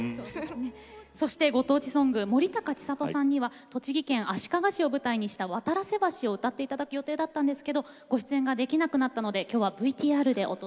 ご当地ソング森高千里さんには栃木県足利市を舞台にした「渡良瀬橋」を歌っていただく予定だったんですけどご出演ができなくなったので今日はＶＴＲで。